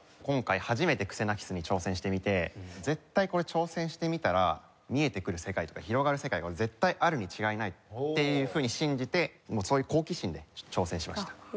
今回初めてクセナキスに挑戦してみて「絶対これ挑戦してみたら見えてくる世界とか広がる世界が絶対あるに違いない」っていうふうに信じてそういう好奇心で挑戦しました。